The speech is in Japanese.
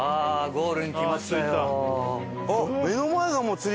ゴールに来ましたよ。